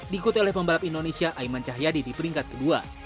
diikuti oleh pembalap indonesia aiman cahyadi di peringkat kedua